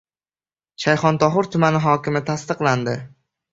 Shayxontohur tumani hokimi tasdiqlandi